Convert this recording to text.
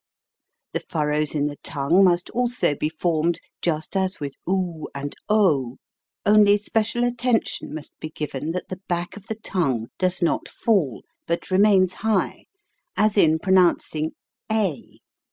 The fur rows in the tongue must also be formed, just as with oo and o, only special attention must be given that the back of the tongue~does not fall, but remains high, as in pronouncing a.